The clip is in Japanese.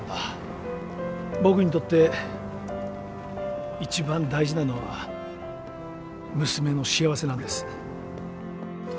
僕にとって一番大事なのは娘の幸せなんです。